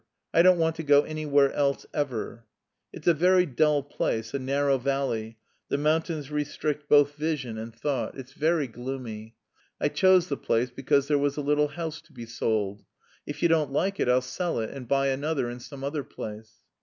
I don't want to go anywhere else ever. "It's a very dull place, a narrow valley, the mountains restrict both vision and thought. It's very gloomy. I chose the place because there was a little house to be sold. If you don't like it I'll sell it and buy another in some other place.